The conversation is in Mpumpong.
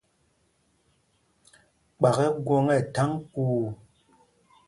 Kpak ɛ́ gwɔ̌ŋ ɛ tháŋ kuu.